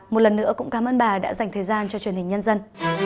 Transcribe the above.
một lần nữa cũng cảm ơn bà đã dành thời gian cho truyền hình nhân dân